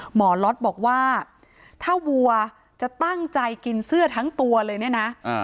หมอล็อตบอกว่าถ้าวัวจะตั้งใจกินเสื้อทั้งตัวเลยเนี่ยนะ